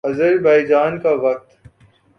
آذربائیجان کا وقت